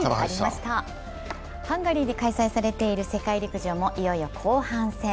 ハンガリーで開催されている世界陸上もいよいよ後半戦。